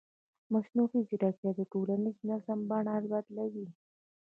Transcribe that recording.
مصنوعي ځیرکتیا د ټولنیز نظم بڼه بدلوي.